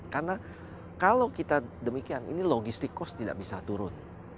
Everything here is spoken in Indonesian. karena kalau kita demikian ini logistik cost tidak bisa turun